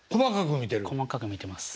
細かく見てます。